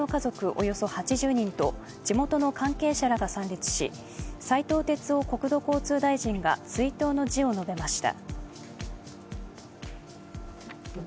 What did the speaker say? およそ８０人と地元の関係者らが参列し斉藤鉄夫国土交通大臣が追悼の辞を述べました。